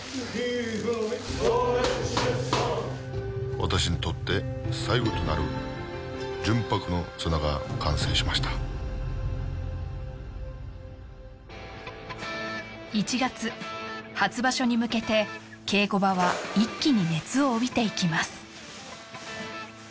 私にとって最後となる純白の綱が完成しました１月初場所に向けて稽古場は一気に熱を帯びていきます